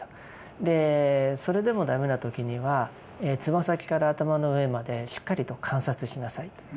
でそれでも駄目な時にはつま先から頭の上までしっかりと観察しなさいと。